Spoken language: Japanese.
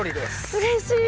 うれしい。